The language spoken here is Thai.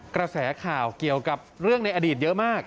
กระแสข่าวเกี่ยวกับเรื่องในอดีตเยอะมาก